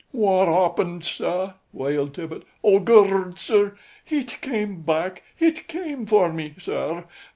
"Wot 'appened, sir!" wailed Tippet. "Oh, Gord, sir! Hit came back. Hit came for me, sir.